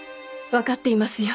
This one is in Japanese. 分かっていますよ。